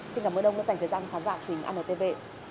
xin cảm ơn ông đã dành thời gian khán giả truyền anntv